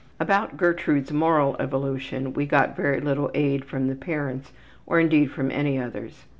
About Gertrude's moral evolution we got very little aid from the parents or indeed from any others.